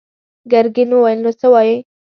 ګرګين وويل: نو څه وايې؟